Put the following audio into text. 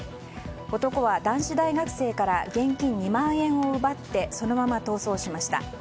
男は、男子大学生から現金２万円を奪ってそのまま逃走しました。